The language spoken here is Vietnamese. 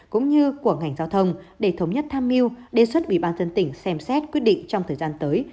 cũng như của ngành giao thông để thống nhất tham mưu đề xuất ủy ban dân tỉnh xem xét quyết định trong thời gian tới